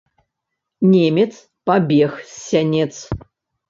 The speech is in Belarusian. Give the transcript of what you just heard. Немец пабег з сянец.